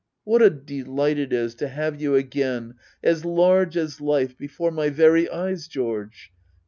] What a delight it is to have you again, as large as life, before my very eyes, George